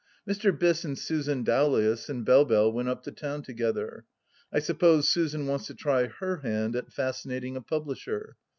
Mr. Biss and Susan Dowlais and Belle Belle went up to town together. I suppose Susan wants to try her hand at fascinating a publisher.